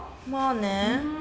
まあね。